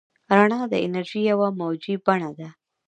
رڼا د انرژۍ یوه موجي بڼه ده.